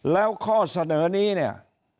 แล้วข้อเสนอนี้เนี่ย